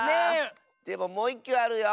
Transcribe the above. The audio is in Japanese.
でももういっきゅうあるよ！